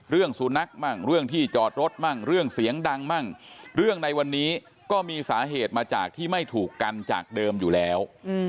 เรื่องสุนัขมั่งเรื่องที่จอดรถมั่งเรื่องเสียงดังมั่งเรื่องในวันนี้ก็มีสาเหตุมาจากที่ไม่ถูกกันจากเดิมอยู่แล้ว